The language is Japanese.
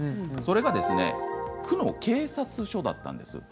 それが、区の警察署だったんです。